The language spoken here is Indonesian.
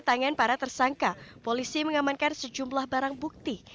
tangan para tersangka polisi mengamankan sejumlah barang bukti